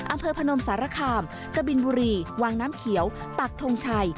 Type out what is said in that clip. พนมสารคามกะบินบุรีวังน้ำเขียวปักทงชัย